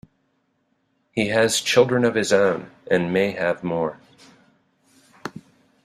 He has children of his own, and may have more.